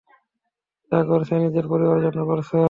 যা করছে, নিজের পরিবারের জন্য করছে।